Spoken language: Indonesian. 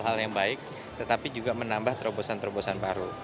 hal yang baik tetapi juga menambah terobosan terobosan baru